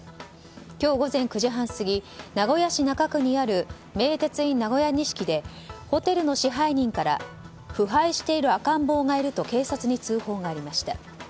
今日午前９時半過ぎ名古屋市中区にある名鉄イン名古屋錦でホテルの支配人から腐敗している赤ん坊がいると警察に通報がありました。